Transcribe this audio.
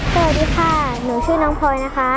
สวัสดีค่ะหนูชื่อน้องพลอยนะคะ